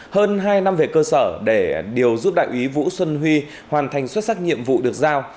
hơn hai năm về cơ sở để điều giúp đại úy vũ xuân huy hoàn thành xuất sắc nhiệm vụ được giao